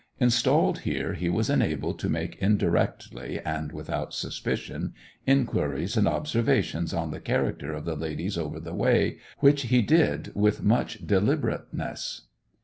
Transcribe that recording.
Installed here he was enabled to make indirectly, and without suspicion, inquiries and observations on the character of the ladies over the way, which he did with much deliberateness.